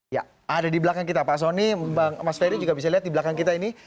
ya ada di belakang kita pak soni mas ferry juga bisa lihat di belakang kita ini